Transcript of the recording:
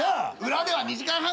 裏では２時間半。